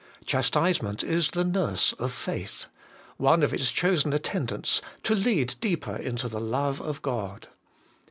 Chastisement is the nurse of faith ; one of its chosen attendants, to lead deeper into the Love of God.